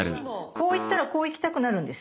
こう行ったらこう行きたくなるんです。